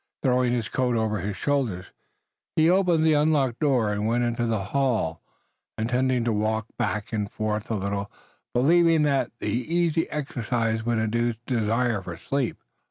Throwing his coat over his shoulders, he opened the unlocked door and went into the hall, intending to walk back and forth a little, believing that the easy exercise would induce desire for sleep.